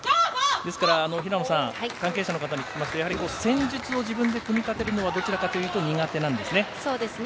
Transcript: ですから、平野さん関係者の方に聞きますとやはり戦術を自分で組み立てるのはどちらかというと苦手なんですね。